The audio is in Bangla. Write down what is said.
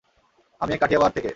আমি কাঠিয়াবাড় থেকে।